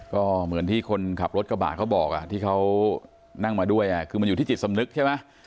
ก็เหมือนที่คนขับรถกระบะเขาบอกที่เขานั่งมาด้วยคือมันอยู่ที่จิตสำนึกใช่ไหม